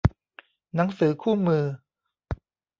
หนังสือคู่มือ